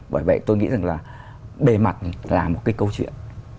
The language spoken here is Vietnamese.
bởi vậy tôi nghĩ rằng là bề mặt là một cái câu chuyện